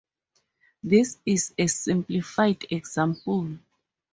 This is a simplified example.